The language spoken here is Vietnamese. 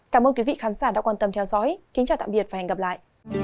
cảm ơn quý vị khán giả đã quan tâm theo dõi kính chào tạm biệt và hẹn gặp lại